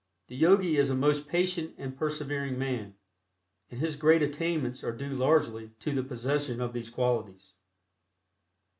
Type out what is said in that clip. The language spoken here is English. The Yogi is a most patient and persevering man, and his great attainments are due largely to the possession of these qualities.